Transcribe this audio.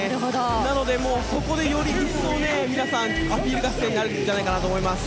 なので、そこでより皆さんアピール合戦になるんじゃないかと思います。